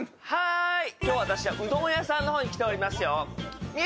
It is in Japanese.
今日、私はうどん屋さんの前に来てますよ。